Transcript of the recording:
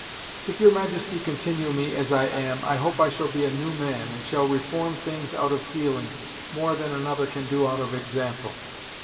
If your Majesty continue me as I am, I hope I shall be a new man, and shall reform things out of feeling, more than another can do out of example.